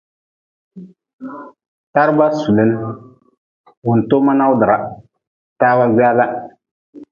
Taraba sulin, wuntoma nawdra, tawa gwala.